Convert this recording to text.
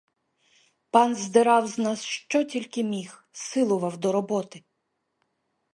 Пан здирав з нас, що тільки міг, силував до роботи.